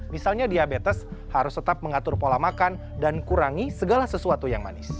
misalnya diabetes harus tetap mengatur pola makan dan kurangi segala sesuatu yang manis